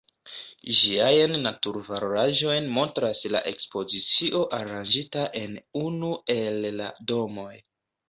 Ĝiajn natur-valoraĵojn montras la ekspozicio aranĝita en unu el la domoj.